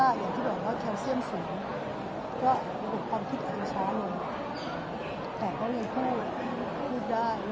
จนกันห้างคุณหมอเริ่มบอกว่าพี่เปิ้ลทุกอยากเจอใครคนพิเศษไหม